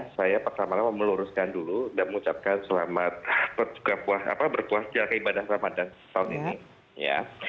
saya pertama kali mau meluruskan dulu dan mengucapkan selamat berpuas di akibat ramadan tahun ini